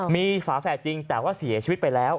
มีฝาแฝดจริงแต่ว่าเสียชีวิตไปแล้ว